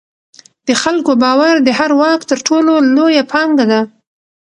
د خلکو باور د هر واک تر ټولو لویه پانګه ده